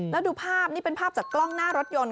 แล้วดูภาพนี่เป็นภาพจากกล้องหน้ารถยนต์